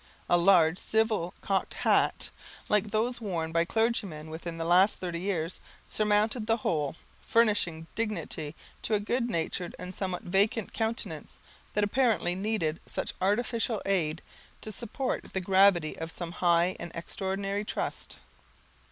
A large, civil cocked hat, like those worn by clergymen within the last thirty years, surmounted the whole, furnishing dignity to a good natured and somewhat vacant countenance, that apparently needed such artificial aid, to support the gravity of some high and extraordinary trust.